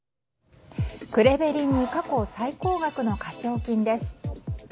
クレベリンに過去最高額の課徴金です。